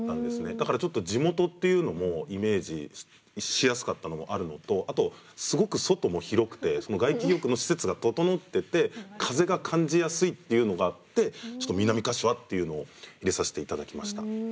だからちょっと地元っていうのもイメージしやすかったのもあるのとあとすごく外も広くて外気浴の施設が整ってて風が感じやすいっていうのがあってちょっと「南柏」っていうのを入れさせて頂きました。